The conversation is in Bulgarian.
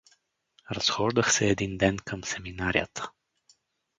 Разхождах се един ден към семинарията.